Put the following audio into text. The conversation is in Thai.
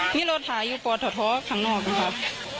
มีรถหาอยู่ป่อถอดท้อข้างนอกนะครับ